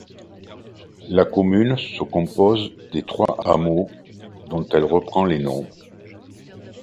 La commune se compose des trois hameaux dont elle reprend les noms.